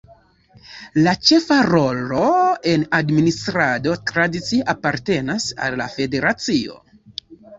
La ĉefa rolo en la administrado tradicie apartenas al la federacio.